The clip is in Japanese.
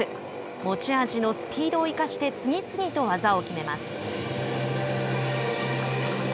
持ち味のスピードを生かして次々と技を決めます。